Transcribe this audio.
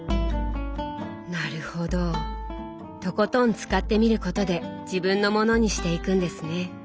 なるほどとことん使ってみることで自分のものにしていくんですね。